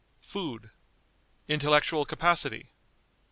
Food. Intellectual Capacity.